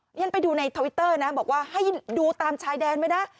ฉันไปดูในทวิตเตอร์นะบอกว่าให้ดูตามชายแดนไว้นะ